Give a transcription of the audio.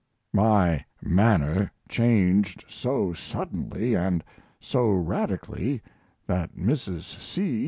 My manner changed so suddenly and so radically that Mrs. C.